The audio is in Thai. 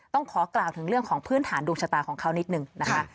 ต้องขอกล่าวถึงเรื่องของพื้นฐานดวงชะตาของเขานิดนึงนะคะ